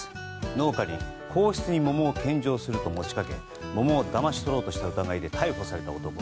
農家に、皇室に桃を献上すると持ち掛け桃をだまし取ろうとした疑いで逮捕された男。